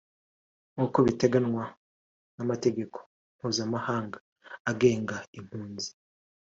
nkuko biteganywa n’amategeko mpuzamahanga agenga impunzi